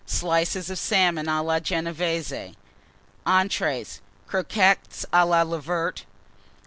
Slices of Salmon a la Genévése. ENTREES. Croquettes of Leveret.